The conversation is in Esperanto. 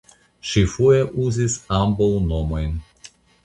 Ŝi foje uzis ambaŭ nomojn.